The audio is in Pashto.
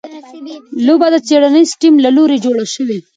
لوبه د څېړنیز ټیم له لوري جوړه شوې.